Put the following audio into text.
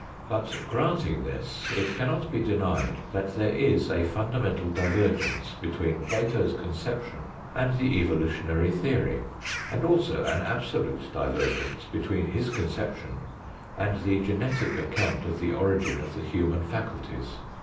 But, granting this, it cannot be denied that there is a fundamental divergence between Plato's conception and the evolutionary theory, and also an absolute divergence between his conception and the genetic account of the origin of the human faculties.